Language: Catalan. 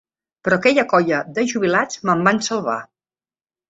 Però aquella colla de jubilats me'n van salvar.